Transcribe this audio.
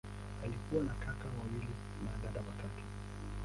Alikuwa na kaka wawili na dada watatu.